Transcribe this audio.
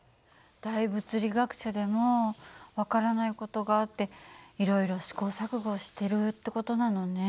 大物理学者でも分からない事があっていろいろ試行錯誤をしてるって事なのね。